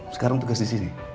sekarang tugas di sini